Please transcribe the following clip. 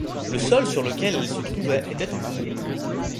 Le sol sur lequel elle se trouvait était un marais.